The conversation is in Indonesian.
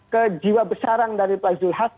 kejiwa besaran dari pak zulhas